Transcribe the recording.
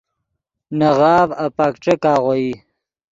نے غاف اپک ݯیک آغوئی